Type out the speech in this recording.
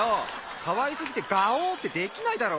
かわいすぎてガオッてできないだろ！